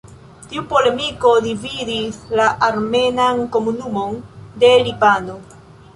Tiu polemiko dividis la armenan komunumon de Libano.